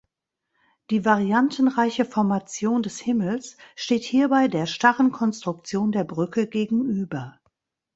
Die variantenreiche Formation des Himmels steht hierbei der starren Konstruktion der Brücke gegenüber.